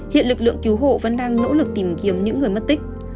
hiện lực lượng cứu hộ vẫn đang nỗ lực tìm kiếm những người mất tích